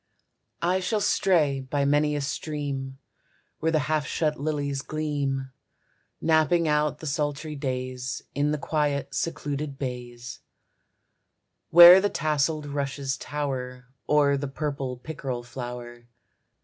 I shall stray by many a stream, Where the half shut lilies gleam. Napping out the sultry days In the quiet secluded bays; Where the tasseled rushes tower, O'er the purple pickerel flower.